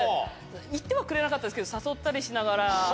行ってはくれなかったんですけど誘ったりしながら。